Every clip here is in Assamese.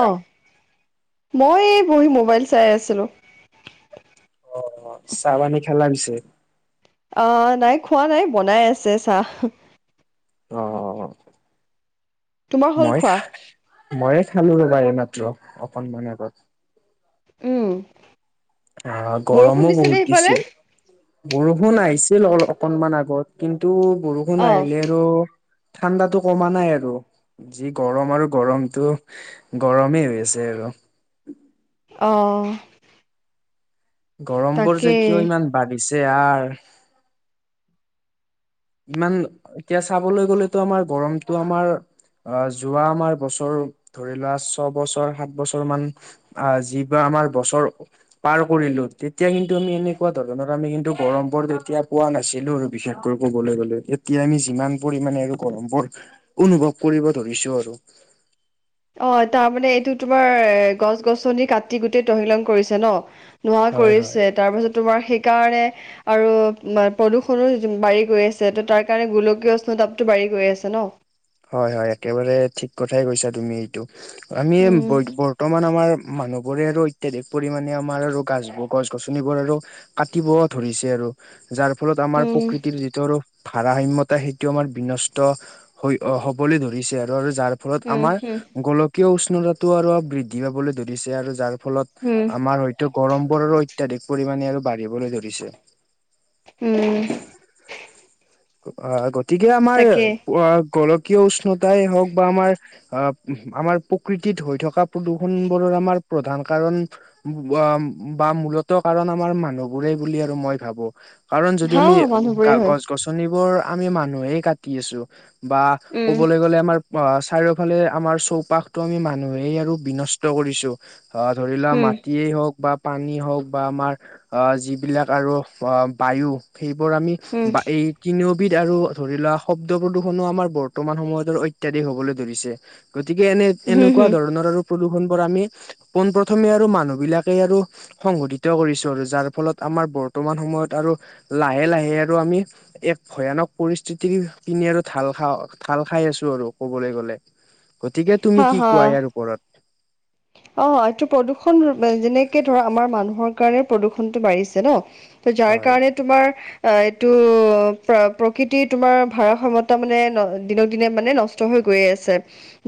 অ, মই এই বহী মোবাইল চাই আছিলো। অ, চাহ - পানী খালা পিছে? অ, নাই খোৱা নাই, বনাই আছে চাহ। অ অ অ, তোমাৰ হ'ল মই খোৱা? খা ম‌ইয়ে খালো ৰ'বা এই মাত্ৰ অকনমান আগত। উম। আহ বৰষুণ গৰমো দিছেনে বহুত সেইফালে? দিছে। বৰষুণ আহিছিল অ অকনমান আগত কিন্তু বৰষুণ অ'। আহিলে - টো, ঠাণ্ডাতো কমা নাই আৰু। যি গৰম আৰু গৰমটো গৰমেই হৈ আছে আৰু। অ। গৰম বোৰ যে তাকেই। কিয় ইমান বাঢ়িছে আৰ। ইমান, এতিয়া চাবলৈ গ'লেতো আমাৰ গৰমটো আমাৰ - অ যোৱা আমাৰ বছৰ ধৰি লোৱা ছয়বছৰ সাত বছৰমান - আহ যিবা আমাৰ বছৰ - পাৰ কৰিলো তেতিয়া কিন্তু আমি এনেকুৱা ধৰণৰ আমি কিন্তু গৰম বৰ তেতিয়া পোৱা নাছিলো আৰু বিশেষকৈ। কবলৈ গলে এতিয়া আমি যিমান পৰিমণে আৰু গৰম বৰ অনুভৱ কৰিব ধৰিছো আৰু। অ তাৰমানে এইটো তোমাৰ এ গছ গছনি কাটি গোটেই তহিলং কৰিছে ন। নোহোৱা হয় হয় কৰিছে তাৰপাছত তোমাৰ সেইকাৰণে - আৰু প্ৰদূষণো বাঢ়ি গৈ আছে ত তাৰ কাৰণে গোলকীয় উষ্ণতাটো বাঢ়ি গৈ আছে ন। হয় হয় একেবাৰে ঠিক কথাই কৈছা তুমি এইটো, আমি ব উম। বৰ্তমান - বৰ্তমান আমাৰ মানুহ বোৰে আৰু অত্যাধিক পৰিমমানে আমাৰ আৰু গাছ গছ গছনিবোৰ আৰু - কাটিব ধৰিছে আৰু। যাৰ ফলত আমাৰ উম, প্ৰকৃতিৰ যিটো আৰু ভাৰসাম্যতা সেইটো আমাৰ বিনষ্ট - অ হ'বলে ধৰিছে আৰু, আৰু যাৰ ফলত উম, আমাৰ উম, গোল- কিয় উষ্ণতা টো আৰু বৃদ্ধি পাবলৈ ধৰিছে আৰু যাৰ ফলত উম, আমাৰ ঐ - টো গৰম পৰাৰো অত্যাধিক পৰিমাণে আৰু বাঢ়িবলৈ ধৰিছে। উম। আহ গতিকে আমাৰ- তাকে গোলকীয় উষ্ণতাই হওক বা আমাৰ আমাৰ প্ৰকৃতিত হৈ থকা - প্ৰদূষণ বোৰৰ আমাৰ প্ৰধান কাৰণ - বা মূলত কাৰণ আমাৰ মানুহবোৰেই বুলি আৰু মই ভাবো। কাৰণ যদি হা আমি মানুহবোৰে গা হয়। গছ- গছনিবোৰ আমি মানুহে কাটি আছো বা উম, ক'বলে গ'লে আমাৰ - অ চাৰিওফালে আমাৰ চৌপাশতটো আমি মানুহেই আৰু বিনষ্ট কৰিছো। অ ধৰিলোৱা উম। মাটিয়েই হওক বা - পানী হওক বা আমাৰ অ যিবিলাক আৰু অ বায়ু - সেইবোৰ আমি উম, বা এই তিনিওবিধ আৰু ধৰি লোৱা শব্দপদুষ ষণো আমাৰ বৰ্তমান সময়তো অত্যাধিক হবলৈ ধৰিছে, গতিকে এনে হুম, এনেকুৱা হুম, ধৰণৰ আৰু - প্ৰদূষণ বোৰ আমি পোন প্ৰথমে আৰু মানুহ বিলাকে আৰু - সংঘটিত কৰিছো আৰু যাৰ ফলত আমাৰ বৰ্তমান সময়ত আৰু লাহে লাহে আৰু আমি - এক ভয়ানক পৰিস্থিতি পিনি আৰু - ঢালখাও ঢালখাই আছো আৰু কবলৈ, গলে গতিকে হা, তুমি কি হা। কোৱা ইয়াৰ ওপৰত? অ এইটো প্ৰদূৰ্ষণ যেনেকে ধৰা আমাৰ মানুহৰ কাৰণে প্ৰদূৰ্ষনটো বাঢ়িছে ন। ত যাৰ হয় কাৰণে তোমাৰ - অ এইটো প্ৰকৃতি তোমাৰ ভাৰাসাম্যতা মানে দিনক দিনে মানে নষ্ট - ষ্ট হৈ গৈয়ে আছে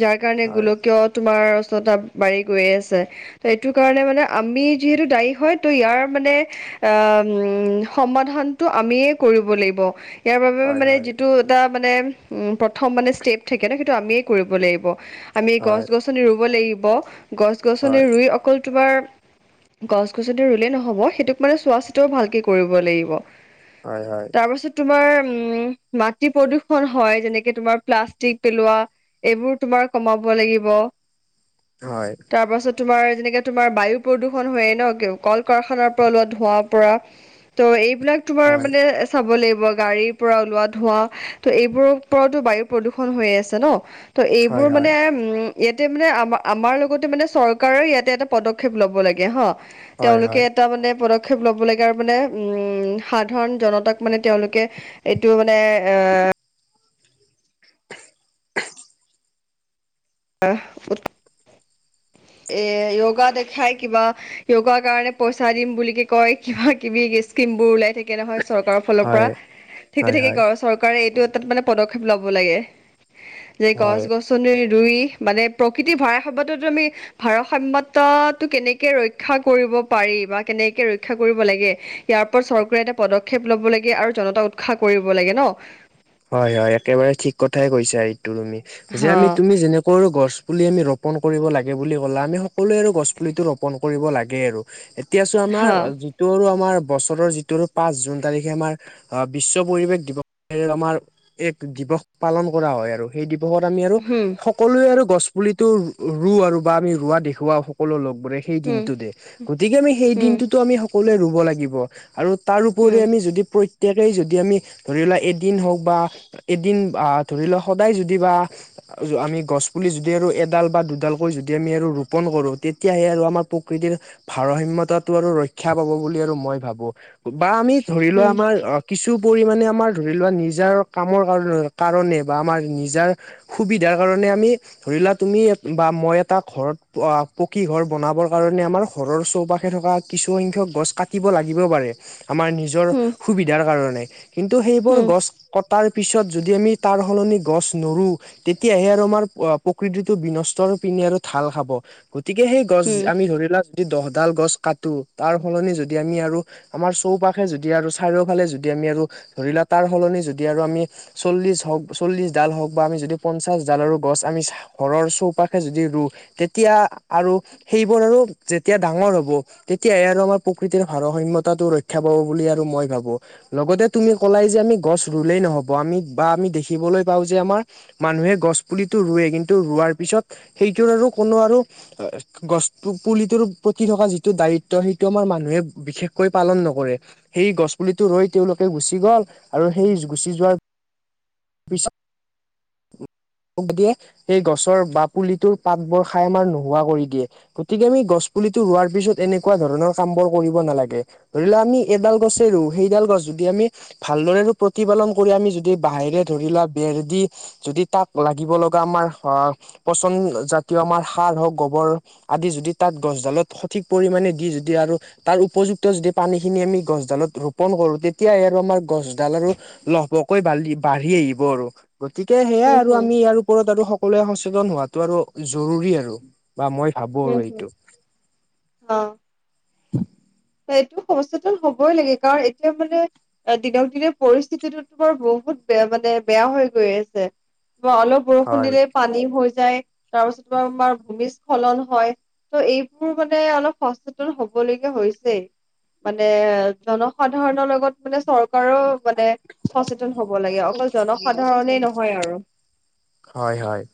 যাৰ কাৰণে হয় গোলকীয় তোমাৰ উষ্ণতা বাঢ়ি গৈয়ে আছে। ত এইটো কাৰণে মানে আমি যিহেতু দায়ী হয় ত' ইয়াৰ মানে - আহ সমাধানটো আমিয়ে কৰিব লাগিব। ইয়াৰ বাবে হয় মানে হয় যিটো এটা মানে উম প্ৰথম মানে ষ্টেপ থাকে ন সেইটো আমিয়ে কৰিব লাগিব আমি গছ গছনি ৰুব লাগিব গছ গছনি হয় ৰুই অকল তোমাৰ গছ গছনি ৰুলেই নহব সেইটোক মানে চোৱা চিতাও ভালকে কৰিব লাগিব হয় হয় তাৰ পাছত তোমাৰ উম মাটি প্ৰদূষন হয় যেনেকে তোমাৰ প্লাষ্টিক পেলোৱা এইবোৰ তোমাৰ কমাব লাগিব হয় তাৰপাছত তোমাৰ যেনেকে তোমাৰ বায়ু প্ৰদূষণ হয়ে ন কল কাৰখানাৰ পৰা ওলোৱা ধোঁৱাৰ পৰা ত এইবিলাক তোমাৰ মানে চাব লাগিব গাড়ীৰ পৰা ওলোৱা ধোঁৱা ত' এইবোৰৰ পৰাওতো বায়ু প্ৰদূষন হৈ আছে ন ত' হয় হয় এইবোৰ হয় হয় মানে উম ইয়াতে মানে আমাৰ আমাৰ লগতে মানে চৰকাৰৰ ইয়াতে এটা পদক্ষেপ লব লাগে হা হয় তেওঁলোকে হয় এটা মানে পদ পদক্ষেপ ল'ব লাগে আৰু মানে উম সাধাৰণ জনতাক মানে তেওঁলোকে এইটো মানে এ আহ উত এ য়গা দেখাই কিবা য়গাৰ কাৰনে পইচা দিম বুলি কি কয় কিবা কিবি স্কিম বোৰ ওলাই থাকে নহয় চৰকাৰৰ ফালৰ পৰা ঠিক হয় তেনেকে হয় চৰকাৰে এইটো এটা মানে পদক্ষেপ লব লাগে যে গছ হয় গছনি ৰুই মানে প্ৰকৃতি ভৰাসভ্যতো আমি ভাৰসাম্যতটো কেনেকে ৰক্ষা কৰিব পাৰি বা কেনেকে ৰক্ষা কৰিব লাগে ইয়াৰ ওপৰত চৰকাৰে এটা পদক্ষেপ লব লাগে আৰু জনতাক উৎসাহ কৰিব লাগে ন হয় হয় একেবাৰে ঠিক কথাই কৈছা এইটো তুমি যে হা আমি তুমি যেনেক সকলোৱে গছ পুলি আমি ৰোপণ কৰিব লাগে বুলি কলা আমি সকলোৱে আৰু গছ পুলিটো ৰোপণ কৰিব লাগে আৰু এতিয়া চোৱা আমাৰ হা যি যিটো আৰু আমাৰ বছৰৰ যিটো পাঁচ জুন তাৰিখে আমাৰ বিশ্ব পৰিৱেশ দিৱস আমাৰ এক দিৱস পালন কৰা হয় আৰু সেই দিৱসত আমি আৰু হুম সক সকলোৱে আৰু গছ পুলিতটো ৰুওঁ আৰু বা আমি ৰুৱা দেখুৱাওঁ সকলো লগবোৰে সেই হুম দিনটোতে গতিকে আমি সেই হুম দিনটোতো আমি সকলোৱে ৰুব লাগিব আৰু তাৰ ওপৰি হুম আমি যদি প্ৰত্যেকেই যদি আমি ধৰি লোৱা এদিন হওঁক বা এদিন আহ ধৰি লোৱা সদায় যদি বা আমি গছ পুলি যদি আৰু এডাল বা দুডালকৈ যদি আমি আৰু ৰোপন কৰো তেতিয়াহে আৰু আমাৰ প্ৰকৃতিৰ ভাৰসাম্যতাটো আৰু ৰক্ষা পাব বুলি আৰু মই ভাবো বা আমি ধৰি লোৱা হুম আমাৰ অ কিছু পৰিমানে আমাৰ ধৰি লোৱা নিজ নিজাৰ কামৰ কাৰণে কাৰণে বা আমাৰ নিজাৰ সুবিধাৰ কাৰণে আমি ধৰি লোৱা তুমি বা মই এটা ঘৰত‌ অ পকী ঘৰ বনাবৰ কাৰণে আমাৰ ঘৰৰ চৌপাশে থকা কিছুসখ্যক গছ কাটিব লাগিব পাৰে আমাৰ নিজ নিজৰ হুম সুবিধাৰ কাৰণে কিন্তু সেইবোৰ হুম গছ কটাৰ পিছত যদি আমি তাৰ সলনি গছ নোৰো তেতিয়াহে আৰু আমাৰ প্ৰকৃতিটো বিনষ্ট পিনে আৰু ঢাল খাব গতিকে সেই গছ হুম আমি ধৰি লোৱা যদি দহডাল গছ কাটো তাৰ সলনি যদি আমি আৰু আমাৰ চৌপাশে যদি আৰু চাৰিওফালে যদি আমি আৰু ধৰিলা তাৰ সলনি যদি আৰু আমি চল্লিশ হওক চল্লিশ ডাল হওঁক বা আমি যদি পঞ্চাশ ডালৰো গছ আমি ঘৰৰ চৌপাশে যদি ৰুও তেতিয়া আৰু সেইবোৰ আৰু যেতিয়া ডাঙৰ হব তেতিয়াই আৰু আমাৰ প্ৰকৃতিৰ ভাৰসাম্যতাটো ৰক্ষা পাব বুলি আৰু মই ভাবো লগতে তুমি কলাই যে আমি গছ ৰুলেই নহ'ব, আমি বা আমি দেখিবলৈ পাওঁ যে আমাৰ মানুহে গছ পুলিতো ৰুৱে কিন্তু ৰোৱাৰ পিছত সেইটোৰ আৰু কোনো আৰু গছ পুলিটোৰ প্ৰতি থকা যিটো দায়িত্ব সেইটো আমাৰ মানুহে বিশেষকৈ পালন নকৰে। সেই গছ পুলিটো ৰুই তেওঁলোকে গুচি গ'ল আৰু সেই গুচি যোৱাৰ পিছত [unintelligible] সেই গছৰ বা পুলিটোৰ পাত বোৰ খাই আমাৰ নোহোৱা কৰি দিয়ে। গতিকে আমি গছ পুলিটো ৰোৱাৰ পিছত এনেকুৱা ধৰণৰ কাম বোৰ কৰিব নালাগে ধৰি লোৱা আমি এডাল গছে ৰুওঁ সেইডাল গছ যদি আমি ভালদৰে প্ৰতিপালন কৰি আমি যদি বাহিৰে ধৰি লোৱা ভেন্দি যদি তাক লাগিব লগা আমাৰ আহ পছন্দ জাতীয় আমাৰ সাৰ হওঁক গোবৰ আদি যদি তাত গছডালত সঠিক পৰিমাণে দি যদি আৰু তাৰ উপযুক্ত যদি পানীখিনি আমি গছডালত ৰোপন কৰো তেতিয়ে আৰু আমাৰ গছডাল আৰু লহপহকৈ বালি বাঢ়ি আহিব আৰু গতিকে সেয়াই হুম আৰু হুম আমি ইয়াৰ ওপৰত আৰু সকলোৱে সচেতন হোৱাটো আৰু জৰুৰী আৰু বা মই ভাবো আৰু এইটো। অঁ। এইটো সচেতন হবই লাগে কাৰণ এতিয়া মানে এ দিনক দিনে পৰিস্থিতিটো তোমাৰ বহুত বেয়া মানে বেয়া হৈ গৈ আছে বা অলপ বৰষুণ হয় দিলে পানী হৈ যায়, তাৰপিছত তোমাৰ এই ভূমিস্খলন হয়। ত' এইবোৰ মানে অলপ সচেতন হবলগীয়া হৈ ছে মানে জনসাধাৰণৰ লগত মানে চৰকাৰে মানে সচেতন হব লাগে, অকল জনসাধাৰণে নহয় আৰু। হয় হয়,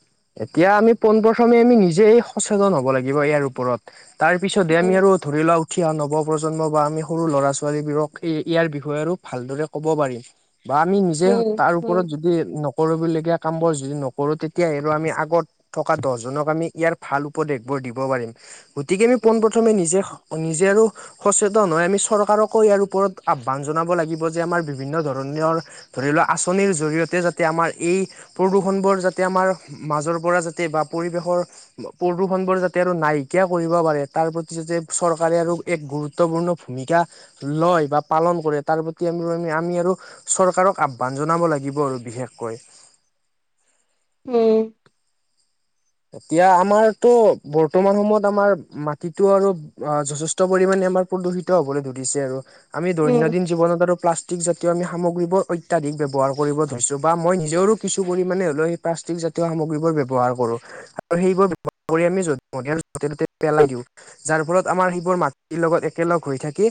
এতিয়া আমি পোনপ্ৰথমে আমি নিজেই সচেতন হ'ব লাগিব ইয়াৰ ওপৰত। তাৰপিছতে আমি উম আৰু ধৰি লোৱা উঠি অহ নৱপ্ৰজন্ম বা আমি সৰু ল'ৰা ছোৱালীবোৰক এই ইয়াৰ বিষয়ে আৰু ভালদৰে ক'ব পাৰিম। বা আমি নিজে উম তাৰ উম ওপৰত যদি নকৰিবলগীয়া কাম বোৰ যদি নকৰো তেতিয়াহে আমি আগত থকা দহজনক আমি ইয়াৰ ভাল উপদেশবোৰ দিব পাৰিম। গতিকে আমি উম পোনপ্ৰথমে নিজে নিজে আৰু সচেতন হৈ আমি চৰকাৰকো ইয়াৰ ওপৰত আহ্বান জনাব লাগিব যে আমাৰ বিভিন্ন ধৰণৰ ধৰি লোৱা আঁচনিৰ জৰিয়তে যাতে আমাৰ এই প্ৰদূষণবোৰ যাতে আমাৰ মাজৰ পৰা যাতে বা পৰিৱেশৰ প্ৰদূষণ বোৰ যাতে আৰু নাইকিয়া কৰিব পাৰে তাৰ প্ৰতি যাতে চৰকাৰে আৰু এক গুৰুত্বপূৰ্ণ ভূমিকা লয় বা পালন কৰে তাৰ প্ৰতি আমি আমি আৰু চৰকাৰক আহ্বান জনাব লাগিব আৰু বিশেষকৈ। উম। এতিয়া আমাৰতো বৰ্তমান সময়ত আমাৰ মাটিতো আৰু অ যথেষ্ট পৰিমণে আমাৰ প্ৰদূষিত হ'বলৈ ধৰিছে আৰু আমি উম দৈনন্দিন জীৱনত আৰু প্লা ষ্টিক জাতীয় আমি সামগ্ৰীবোৰ অত্যাধিক ব্যৱহাৰ কৰিব ধৰিছোঁ বা মই নিজৰও কিছু পৰিমাণে হ'লেও প্লাষ্টিক জাতীয় সামগ্ৰীবোৰ ব্যৱহাৰ কৰোঁ। আৰু সেইবোৰ ব্যৱহাৰ কৰি আমি য'তে ত'তে পেলাই দিওঁ। যাৰ ফলত আমাৰ সেইবোৰ মাটিৰ লগত একেলগ হৈ থাকে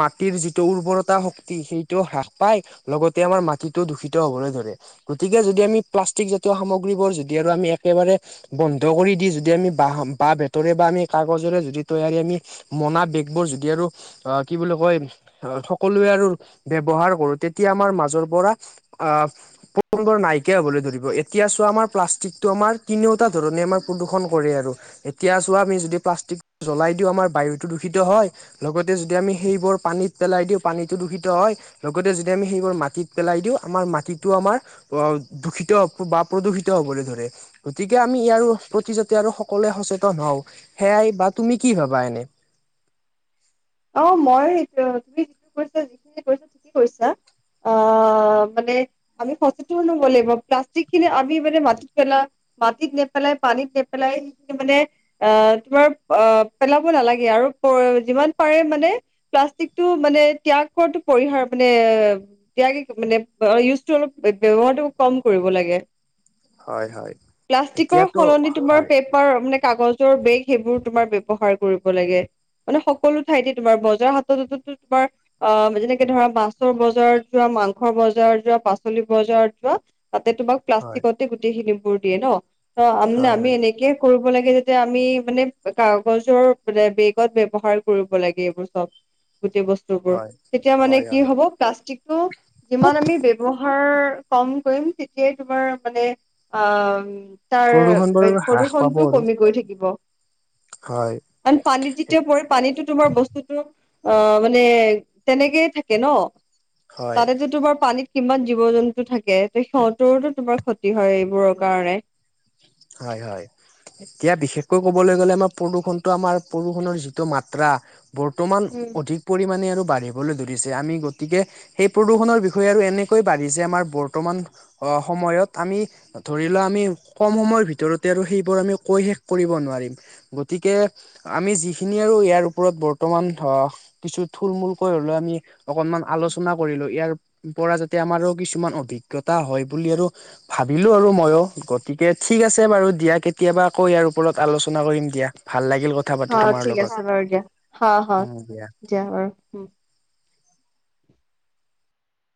মাটিৰ যিটো উৰ্বৰতা শক্তি সেইটো হ্ৰাস পায় লগতে আমাৰ মাটিটো দূষিত হবলৈ ধৰে। গতিকে যদি আমি প্লাষ্টিকজাতীয় সামগ্ৰীবোৰ যদি আৰু আমি একেবাৰে বন্ধ কৰি দি যদি আমি বাঁহ বাঁহ বেতেৰে বা আমি কাগজৰে যদি তৈয়াৰী আমি মোনা বেগবোৰ যদি আৰু অ কি বুলি কয় সকলোৱে আৰু ব্যৱহাৰ কৰো তেতিয়া আমাৰ মাজৰ পৰা আহ নাইকিয়া হ'ব ধৰিব। এতিয়া চোৱা আমাৰ প্লাষ্টিকটো আমাৰ তিনিওটা ধৰণে আমাৰ প্ৰদূষণ কৰে আৰু। এতিয়া চোৱা আমি যদি প্লাষ্টিক জ্বলাই দিওঁ আমাৰ বায়ুতো দূষিত হয়, লগতে যদি আমি সেইবোৰ পানীত পেলাই দিওঁ পানীটো দূষিত হয়, লগতে যদি আমি সেইবোৰ মাটিত পেলাই দিওঁ আমাৰ মাটিতো আমাৰ অ দূষিত বা প্ৰদূষিত হ'বলৈ ধৰে। গতিকে আমি ইয়াৰ প্ৰতি যাতি আৰু সকলোৱে সচেতন হওঁ, সেয়াই বা তুমি কি ভাবা এনে? অ মই তুমি যিটো কৈছা যিখিনি কৈছা ঠিকেই কৈছা। অ মানে আমি সচেতন হ'ব লাগিব, প্লাষ্টিক খিনি আমি মানে মাটিত পেলা মাটিত নেপেলাই, পানীত নেপেলাই, সেইখিনি মানে অ তোমাৰ অ পেলাব নালাগে আৰু যিমান পাৰে মানে প্লাষ্টিকটো মানে ত্যাগটো পৰিহাৰ মানে এয়া মানে ইউজটো অলপ ব্যয়ৱহাৰটো কম কৰিব লাগে। হয় হয়। প্লাষ্টিকৰ এতিয়াতো সলনি তোমাৰ হয় পেপ কাগজৰ বেগ সেইবোৰ তোমাৰ ব্যবহাৰ কৰিব লাগে। মানে সকলো ঠাইতে তোমাৰ বজাৰ হাততো তোমাৰ আহ যেনেকে ধৰা মাছৰ বজাৰত যোৱা, মাংসৰ বজাৰত যোৱা, পাচলিৰ বজাৰত যোৱা, তাতে তোমাক হয় প্লাষ্টিকতে গোটেইখিনিবোৰ দিয়ে ন, ত আম হয় আমি হয়। এনেকে কৰিব লাগে যাতে আমি মানে কাগজৰ বেগত ব্যৱহাৰ কৰিব লাগে এইবোৰ চব, গোটেই বস্তু তেতিয়া মানে হয় হয় কি হয়। হ'ব প্লাষ্টিকটো যিমান আমি বৱহাৰ কম কৰিম তেতিয়াই তোমাৰ মানে অ তাৰ প্ৰদূষণ বাৰু হ্ৰাস পাব প্ৰদূষনটোও আৰু কমি গৈ থাকিব। হয়। কাৰ পানীত যেতিয়া প পানীতো তোমাৰ বস্তুতো অ মানে তেনেকেই থাকে ন, হয় তাতে তোমাৰ পানীত কিমান জীৱ-জন্তু থাকে ত সিহঁতৰোতো তোমাৰ ক্ষতি হয় এইবোৰৰ কাৰণে। হয় হয়। এতিয়া বিশেষকৈ কবলৈ গ'লে আমাৰ প্ৰদূষণটো আমাৰ প্ৰদূষণনৰ যিটো মাত্ৰা বৰ্তমান উম অধিক পৰিমাণে আৰু বাঢ়িবলৈ ধৰিছে। আমি গতিকে সেই প্ৰদূৰণৰ বিষয়ে আৰু এনেকৈ বাঢ়িচে আমাৰ বৰ্তমান আহ সময়ত আমি ধৰি লোৱা আমি কম সময়ৰ ভিতৰতে আৰু সেইবোৰ আমি কৈ শেষ কৰিব নোৱাৰিম। গতিকে আমি যিখিনি আৰু ইয়াৰ ওপৰত বৰ্তমান আহ কিছু থুল-মুলকৈ হ'লেও আমি অকনমান আলোচনা কৰিলো ইয়াৰ পৰা যাতে আমাৰো কিছুমান অভিজ্ঞতা হয় বুলি আৰু ভাবিলো আৰু মইও গতিকে ঠিক আছে বাৰু দিয়া কেতিয়াবা আকৌ ইয়াৰ ওপৰত আলোচনা কৰিম দিয়া। ভাল লাগিল কথা পাতি অ তোমাৰ ঠিক লগত আছে বাৰু দিয়া, হ হয় দিয়া বাৰু।